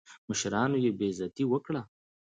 مشرانو یې بېعزتي وکړه.